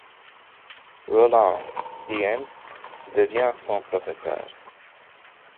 Roland Dyens devient son professeur.